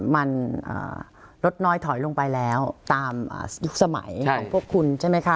มันลดน้อยถอยลงไปแล้วตามยุคสมัยของพวกคุณใช่ไหมคะ